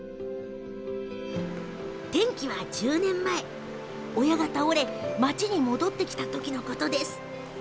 転機は１０年前親が倒れ町に戻ってきた時のこと。